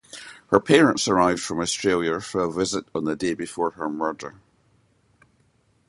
Her parents arrived from Australia for a visit on the day before her murder.